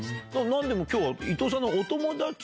何でも今日は。